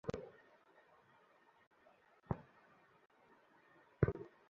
তুমি অভিনয় করতে পারবে।